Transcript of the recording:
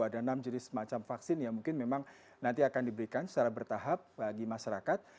ada enam jenis macam vaksin yang mungkin memang nanti akan diberikan secara bertahap bagi masyarakat